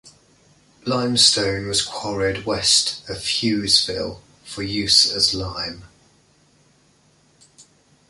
Limestone was quarried west of Hughesville for use as lime.